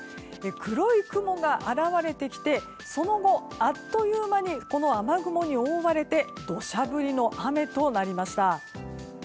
黒い雲が現れてきてその後、あっという間にこの雨雲に覆われて土砂降りの雨となりました。